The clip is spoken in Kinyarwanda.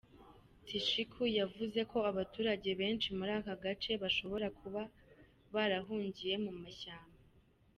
Tshishiku yavuze ko abaturage benshi muri aka gace bashobora kuba barahungiye mu mashyamba.